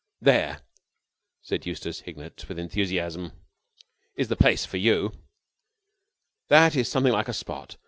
There," said Eustace Hignett with enthusiasm, "is a place for you! That is something like a spot!